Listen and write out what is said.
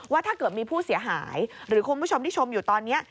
ถ้าเกิดมีผู้เสียหายหรือคุณผู้ชมที่ชมอยู่ตอนนี้